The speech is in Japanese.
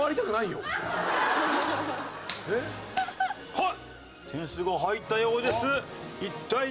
はい。